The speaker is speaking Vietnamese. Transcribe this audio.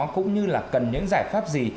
cũng như là cần những giải pháp gì